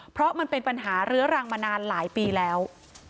เพราะมันเป็นปัญหาเรื้อรังมานานหลายปีแล้ว